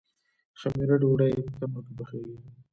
خمیره ډوډۍ په تندور کې پخیږي.